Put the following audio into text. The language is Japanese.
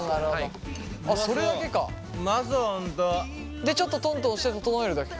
でちょっとトントンして整えるだけか。